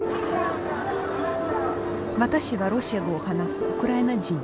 私はロシア語を話すウクライナ人。